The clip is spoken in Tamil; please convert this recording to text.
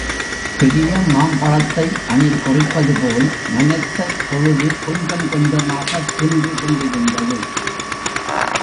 பெரிய மாம்பழத்தை அணில் கொறிப்பதுபோல் மனத்தைப் பொழுது கொஞ்சம் கொஞ்சமாகத் தின்று கொண்டிருந்தது.